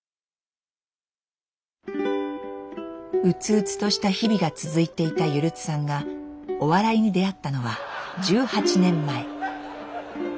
うつうつとした日々が続いていたゆるつさんがお笑いに出会ったのは１８年前。